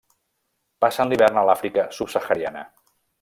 Passen l'hivern a l'Àfrica subsahariana.